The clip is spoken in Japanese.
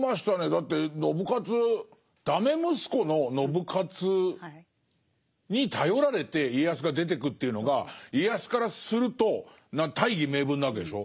だって信雄ダメ息子の信雄に頼られて家康が出てくっていうのが家康からすると大義名分なわけでしょ。